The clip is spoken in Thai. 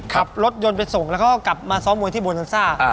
ขับรถยนต์ไปส่งแล้วเขาก็กลับมาซ้อมมวยที่โบนันซ่า